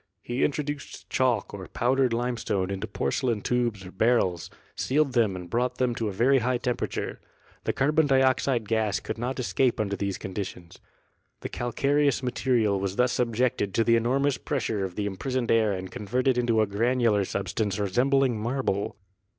He introduced chalk or powdered limestone into porcelain tubes or barrels, sealed them and brought them to a very high temperature. The carbon dioxide gas could not escape under these con ditions. The calcareous material was thus subjected to the enormous pressure of the imprisoned air and con verted into a granular substance resembling marble.